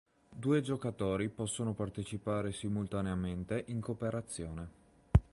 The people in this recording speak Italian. Due giocatori possono partecipare simultaneamente in cooperazione.